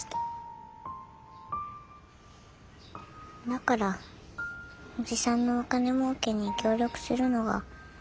だから叔父さんのお金もうけに協力するのが嫌でした。